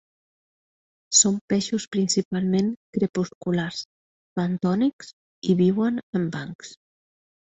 Són peixos principalment crepusculars, bentònics i viuen en bancs.